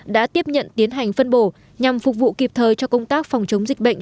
đã tiếp nhận tiến hành phân bổ nhằm phục vụ kịp thời cho công tác phòng chống dịch bệnh